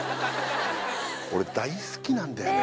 俺大好きなんだよね